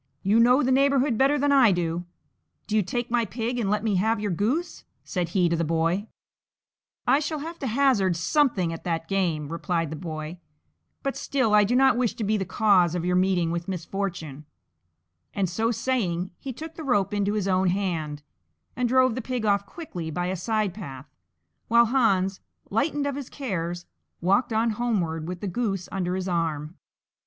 you know the neighbourhood better than I do; do you take my pig and let me have your goose," said he to the boy. "I shall have to hazard something at that game," replied the Boy, "but still I do not wish to be the cause of your meeting with misfortune;" and, so saying, he took the rope into his own hand, and drove the pig off quickly by a side path, while Hans, lightened of his cares, walked on homeward with the goose under his arm.